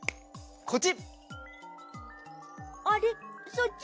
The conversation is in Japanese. こっち。